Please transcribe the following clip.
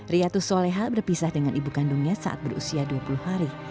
riatus soleha berpisah dengan ibu kandungnya saat berusia dua puluh hari